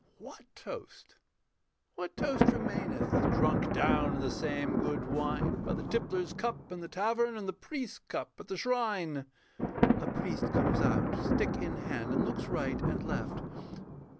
What toast, what toast remaineth, Drunk down in the same good wine, By the tippler's cup in the tavern, And the priest's cup at the shrine? [_A Priest comes out, stick in hand, and looks right and left.